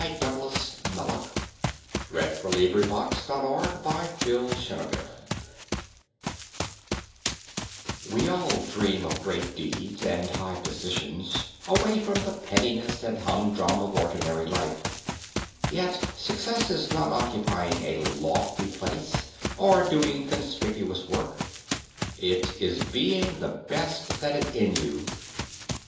Ellen M.H. Gates IT CAN BE DONE BE THE BEST OF WHATEVER YOU ARE We all dream of great deeds and high positions, away from the pettiness and humdrum of ordinary life. Yet success is not occupying a lofty place or doing conspicuous work; it is being the best that is in you.